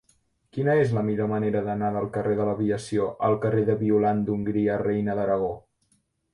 Quina és la millor manera d'anar del carrer de l'Aviació al carrer de Violant d'Hongria Reina d'Aragó?